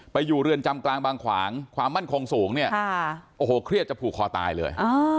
อยู่เรือนจำกลางบางขวางความมั่นคงสูงเนี่ยโอ้โหเครียดจะผูกคอตายเลย